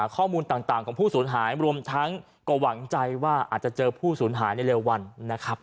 ข้อมูลต่างของผู้สูญหายรวมทั้งก็หวังใจว่าอาจจะเจอผู้สูญหายในเร็ววันนะครับ